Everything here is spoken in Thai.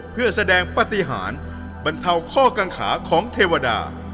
เพื่อแสดงปฏิหารบรรเทาข้อกังขาของเทวดา